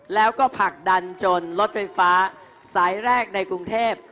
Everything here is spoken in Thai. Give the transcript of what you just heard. แล้วก็ผลักดันจนรถไฟฟ้าสายแรกในกรุงเทพ